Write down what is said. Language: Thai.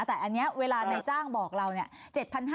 แต่อันนี้เวลาในจ้างบอกเราเนี่ย